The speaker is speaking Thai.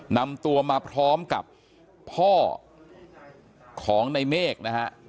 นำตัวมาพร้อมกับพ่อของในเมฆนะฮะ